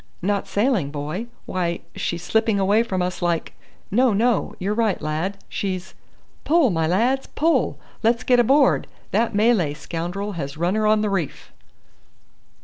"Not sailing, boy? Why she's slipping away from us like No, no: you're right, lad, she's Pull, my lads, pull; let's get aboard. That Malay scoundrel has run her on the reef."